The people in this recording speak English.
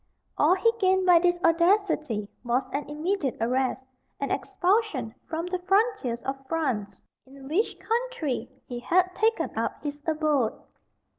All he gained by this audacity was an immediate arrest, and expulsion from the frontiers of France, in which country he had taken up his abode.